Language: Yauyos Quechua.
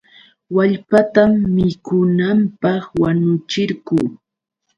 Wallpatam mikunanpaq wañuchirqun.